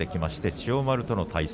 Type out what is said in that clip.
千代丸との対戦。